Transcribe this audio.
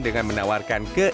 dengan menawarkan kesejahteraan